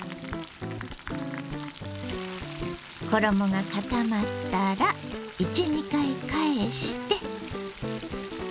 衣が固まったら１２回返して。